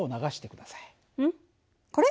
これ？